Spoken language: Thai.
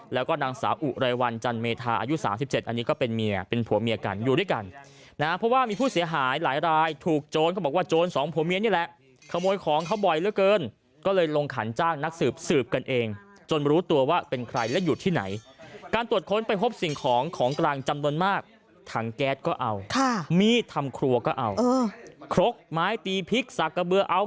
แล้วก็ดังสาอุรายวัลจันเมธาอายุ๓๗อันนี้ก็เป็นเมียเป็นผัวเมียกันอยู่ด้วยกันนะเพราะว่ามีผู้เสียหายหลายถูกโจรก็บอกว่าโจรสองผัวเมียนี่แหละขโมยของเขาบ่อยเหลือเกินก็เลยลงขันจ้างนักสืบสืบกันเองจนรู้ตัวว่าเป็นใครและอยู่ที่ไหนการตรวจค้นไปพบสิ่งของของกลางจำนวนมากถังแก๊สก็เอ